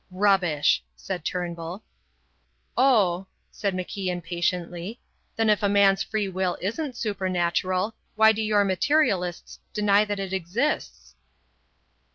"Rubbish!" said Turnbull. "Oh," said MacIan patiently, "then if a man's free will isn't supernatural, why do your materialists deny that it exists?"